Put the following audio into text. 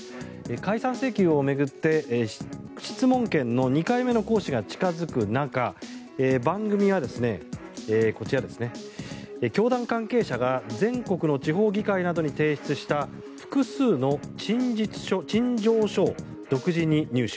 解散請求を巡って質問権の２回目の行使が近付く中番組はこちら、教団関係者が全国の地方議会などに提出した複数の陳情書を独自に入手。